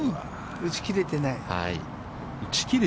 打ち切れてない。